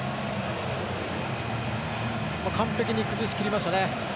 完璧に崩しきりましたね。